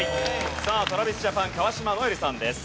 さあＴｒａｖｉｓＪａｐａｎ川島如恵留さんです。